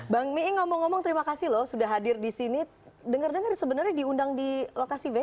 bang mii ngomong ngomong terima kasih loh sudah hadir di sini dengar dengar sebenarnya diundang di lokasi b